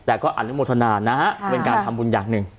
แต่ก็อนุโมทนานะฮะเป็นการทำบุญอย่างหนึ่ง